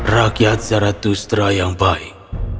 rakyat zarathustra yang baik